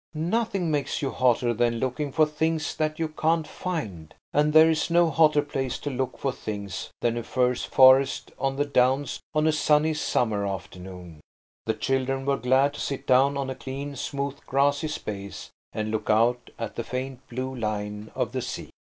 Nothing makes you hotter than looking for things that you can't find–and there is no hotter place to look for things than a furze forest on the downs on a sunny summer afternoon. The children were glad to sit down on a clean, smooth, grassy space and look out at the faint blue line of the sea.